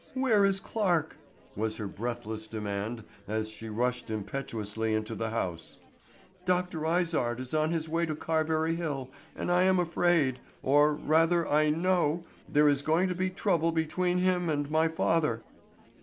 "Where is Clarke?" was her breathless demand as she rushed impetuously into the house. "Dr. Izard is on his way to Carberry hill and I am afraid, or rather I know, there is going to be trouble between him and my father."